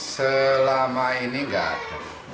selama ini enggak